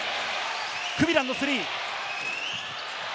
クビランのスリー。